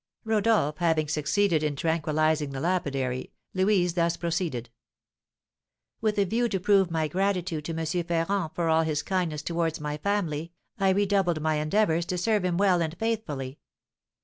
Rodolph having succeeded in tranquillising the lapidary, Louise thus proceeded: "With a view to prove my gratitude to M. Ferrand for all his kindness towards my family, I redoubled my endeavours to serve him well and faithfully.